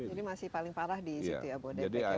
jadi masih paling parah di situ ya bodebek bogor depok bekasi